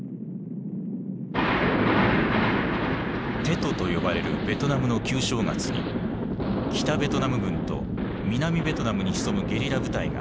「テト」と呼ばれるベトナムの旧正月に北ベトナム軍と南ベトナムに潜むゲリラ部隊が一斉蜂起した。